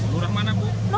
lurah mana bu